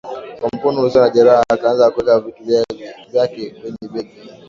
Kwa mkono usio na jeraha akaanza kuweka vitu vyake kwenye begi